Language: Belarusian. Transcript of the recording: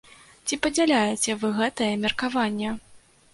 Ці падзяляеце вы гэтае меркаванне?